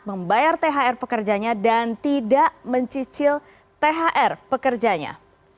membayar thr pekerjanya dan tidak mencicil thr pekerjanya